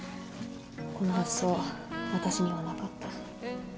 この発想私にはなかった。